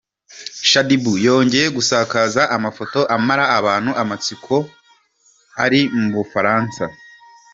Shaddy Boo yongeye gusakaza amafoto amara abantu amatsiko ko ari mu bufaransa.